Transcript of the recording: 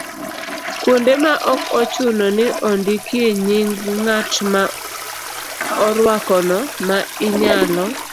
Kuonde ma ok ochuno ni ondikie nying' ng'at ma orwakono, ma inyalo